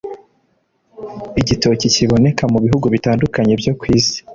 Igitoki kiboneka mu bihugu bitandukanye byo ku Isi